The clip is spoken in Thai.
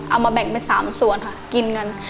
เอามาแบ่งเป็น๓ส่วนค่ะกินกัน